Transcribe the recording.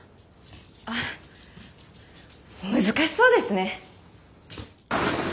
あ難しそうですね。